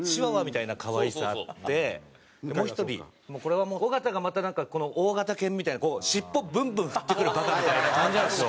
これはもう尾形がまたなんか大型犬みたいな尻尾ブンブン振ってくるバカみたいな感じなんですよ。